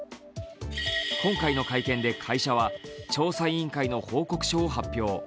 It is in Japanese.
今回の会見で会社は調査委員会の報告書を発表。